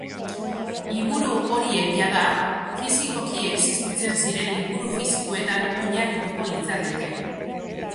Liburu horiek jada fisikoki existitzen ziren liburu fisikoetan oinarrituko litzateke.